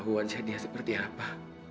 aku gak tau wajah dia seperti apa